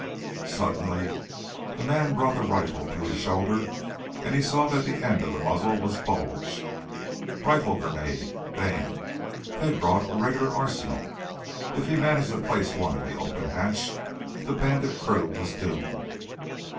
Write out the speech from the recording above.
Suddenly the man brought the rifle to his shoulder, and he saw that the end of the muzzle was bulged. Rifle grenade! Damn, they'd brought a regular arsenal. If he managed to place one in the open hatch, the Bandit crew was doomed.